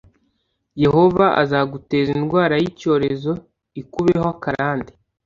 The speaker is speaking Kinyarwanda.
yehova azaguteza indwara y’icyorezo ikubeho akarande,